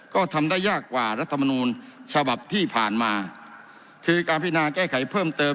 ก็ทำได้ยากกว่ารัฐมนูลฉบับที่ผ่านมาคือการพินาแก้ไขเพิ่มเติม